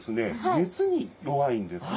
熱に弱いんですね。